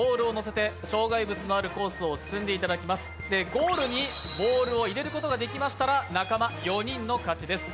ゴールにボールを入れることができましたら仲間４人の勝ちです。